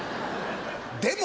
でも。